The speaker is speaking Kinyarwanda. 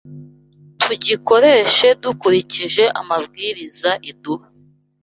tubikoreshe dukurikije amabwiriza iduha.